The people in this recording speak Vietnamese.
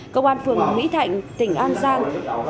công an phường mỹ thạnh tỉnh an giang